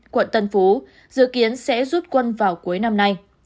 quận tân phú dự kiến sẽ rút quân vào cuối năm nay